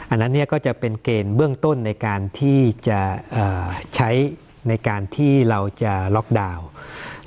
อันนั้นเนี่ยก็จะเป็นเกณฑ์เบื้องต้นในการที่จะใช้ในการที่เราจะล็อกดาวน์